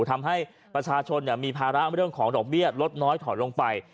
ทำให้ประชาชนเนี่ยมีพาระเวลาของลบเบี้ยนลดน้อยถอดลงไป